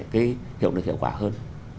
cái hiệu lực hiệu quả hơn